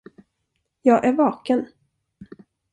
Jag är vaken.